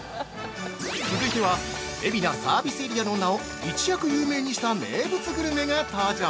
◆続いては、海老名サービスエリアの名を一躍有名にした名物グルメが登場！